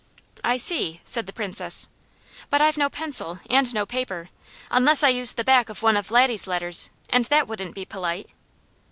"I see," said the Princess. "But I've no pencil, and no paper, unless I use the back of one of Laddie's letters, and that wouldn't be polite."